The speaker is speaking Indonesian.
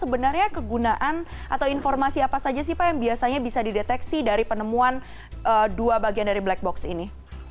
sebenarnya kegunaan atau informasi apa saja sih pak yang biasanya bisa dideteksi dari penemuan dua bagian dari black box ini